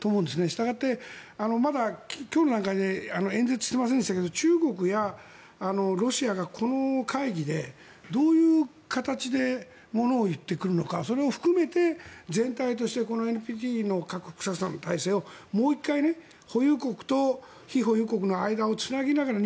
したがって、まだ今日の段階で演説してませんでしたけど中国やロシアがこの会議でどういう形でものを言ってくるのかそれを含めて全体としてこのＮＰＴの核不拡散の体制をもう１回、保有国と非保有国の間をつなぎながら